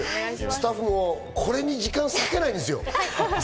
スタッフもこれに時間を割けないんですよ。